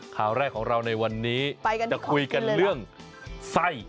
ข่าวแรกของเราในวันนี้จะคุยกันเรื่องไส้